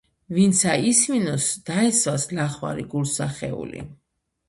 ვინცა ისმინოს, დაესვას ლახვარი გულსა ხეული